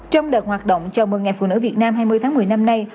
trong đợt hoạt động chào mừng ngày phụ nữ việt nam hai mươi tháng một mươi năm nay